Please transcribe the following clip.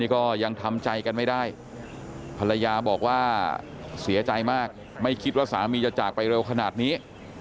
ก็ยังทำใจกันไม่ได้ภรรยาบอกว่าเสียใจมากไม่คิดว่าสามีจะจากไปเร็วขนาดนี้